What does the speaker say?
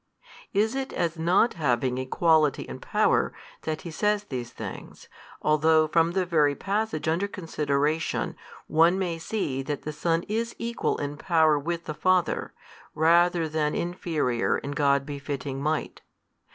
Is it as not having Equality in Power that He says these things, although from the very passage under consideration one may see that the Son is Equal in Power with the Father, rather than inferior in God befitting Might?